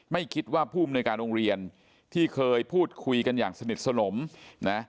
ไม่คิดว่าผู้อำนวยการโรงเรียนที่เคยพูดคุยกันอย่างสนิทสนมนะ